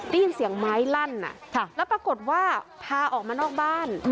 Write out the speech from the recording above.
ได้ยินเสียงไม้ลั่นแล้วปรากฏว่าพาออกมานอกบ้าน